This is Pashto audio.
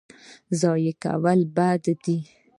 ضایع کول بد دی.